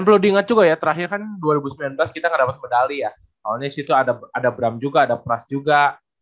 perlu dinyatow ya terakhir kan dua ribu sembilan belas kita harapan medali atau nes itu ada ada bram juga caring juga